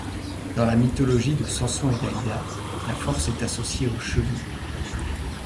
Dans la mythologie de Samson et Dalila, la force est associée aux cheveux.